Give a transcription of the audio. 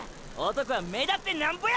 男は目立ってナンボやで！！